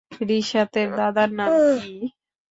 রিশাতের দাদার নাম কী?